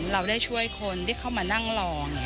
เราได้ช่วยคนที่เข้ามานั่งรอ